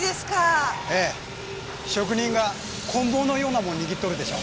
職人が棍棒のようなもん握っとるでしょ？